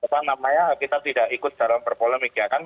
karena kita tidak ikut dalam berpolemik ya kan